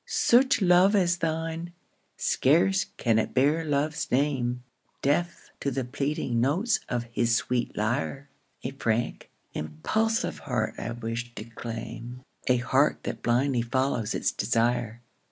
Such love as thine, scarce can it bear love's name, Deaf to the pleading notes of his sweet lyre, A frank, impulsive heart I wish to claim, A heart that blindly follows its desire.